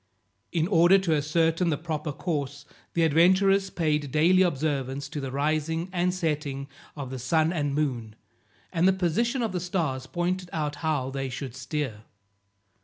In order to ascertain the proper course, the adventurers paid daily observance to the rising and setting of the sun and moon, and the position of the stars pointed out how they should steer.